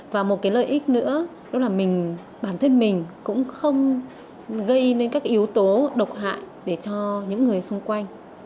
và một cái lợi ích nữa đó là mình bản thân mình cũng không gây nên các yếu tố độc hại để cho những người xung quanh